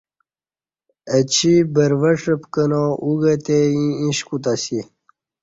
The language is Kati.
اچی بروڄہ پکنا اُوگہ تی ییں ایݩش کوتہ اسی۔